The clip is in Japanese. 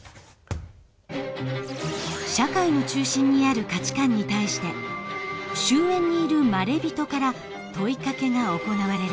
社会の中心にある価値観に対して周縁にいるまれびとから問いかけが行われる。